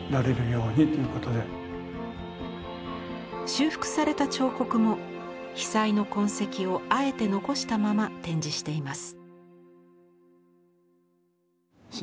修復された彫刻も被災の痕跡をあえて残したまま展示しています。